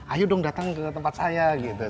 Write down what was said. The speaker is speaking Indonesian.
ayo dong datang ke tempat saya gitu seperti itu